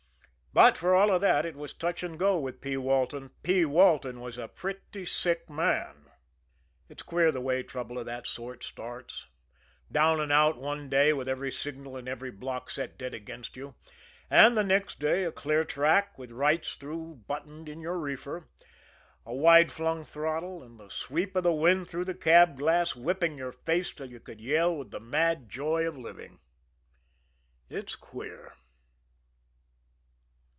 But for all that, it was touch and go with P. Walton P. Walton was a pretty sick man. It's queer the way trouble of that sort acts down and out one day with every signal in every block set dead against you; and the next day a clear track, with rights through buttoned in your reefer, a wide flung throttle, and the sweep of the wind through the cab glass whipping your face till you could yell with the mad joy of living. It's queer!